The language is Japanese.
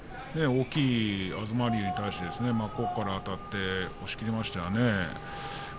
大きな東龍に対して真っ向からあたって押していましたね。